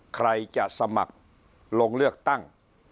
ใครจะสมัครลงเลือกตั้ง